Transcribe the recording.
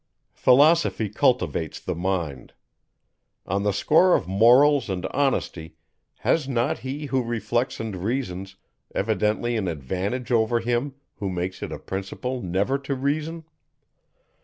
Philosophy cultivates the mind. On the score of morals and honesty, has not he who reflects and reasons, evidently an advantage over him, who makes it a principle never to reason?